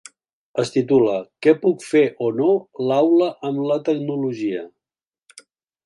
Es titula “Què puc fer o no l’aula amb la tecnologia”.